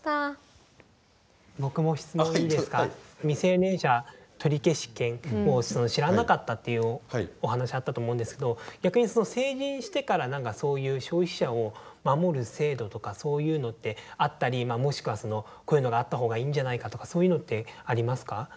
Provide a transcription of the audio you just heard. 未成年者取消権を知らなかったっていうお話あったと思うんですけど逆に成人してから何かそういう消費者を守る制度とかそういうのってあったりもしくはこういうのがあった方がいいんじゃないかとかそういうのってありますか？